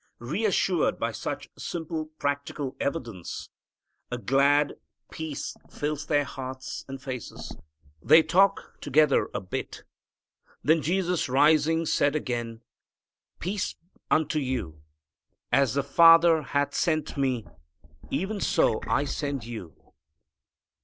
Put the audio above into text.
Reassured by such simple practical evidence, a glad peace fills their hearts and faces. They talk together a bit. Then Jesus rising, said again, "Peace unto you as the Father hath sent Me, even so send I you."